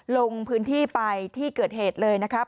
ลงพื้นที่ไปที่เกิดเหตุเลยนะครับ